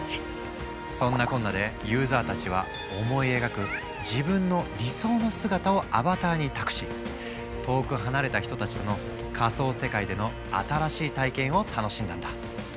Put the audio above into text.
そんなこんなでユーザーたちは思い描く自分の理想の姿をアバターに託し遠く離れた人たちとの仮想世界での新しい体験を楽しんだんだ。